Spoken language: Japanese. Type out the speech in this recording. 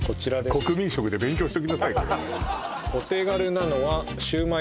国民食で勉強しときなさい